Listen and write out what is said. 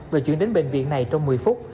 và chuyển đến bệnh viện này trong một mươi phút